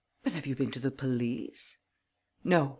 "But have you been to the police?" "No.